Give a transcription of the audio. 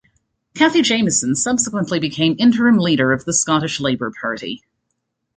Cathy Jamieson subsequently became interim leader of the Scottish Labour Party.